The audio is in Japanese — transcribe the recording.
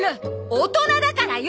大人だからよ！